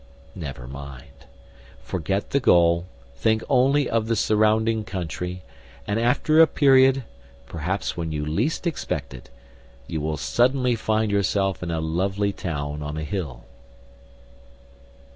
Never mind. Forget the goal; think only of the surrounding country; and after a period, perhaps when you least expect it, you will suddenly find yourself in a lovely town on a hill.